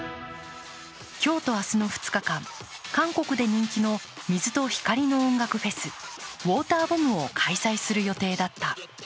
今日と明日の２日間、韓国で人気の水と光の音楽フェス、ウォーターボムを開催する予定だった。